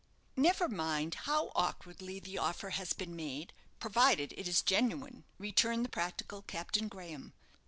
"Never mind how awkwardly the offer has been made, provided it is genuine," returned the practical Captain Graham.